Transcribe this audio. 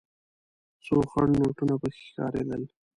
څو خړ نوټونه پکې ښکارېدل.